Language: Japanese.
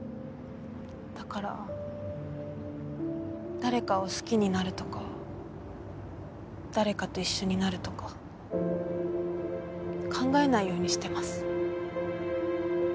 だから誰かを好きになるとか誰かと一緒になるとか考えないようにしてます。